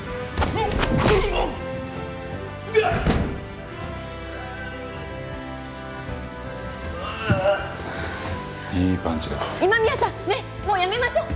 ねっもうやめましょう。